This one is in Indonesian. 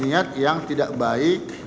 niat yang tidak baik